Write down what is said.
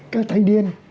các thanh niên